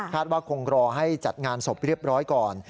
ว่าคงรอให้จัดงานศพเรียบร้อยก่อน